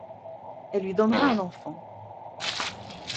Elle lui donnera un enfant.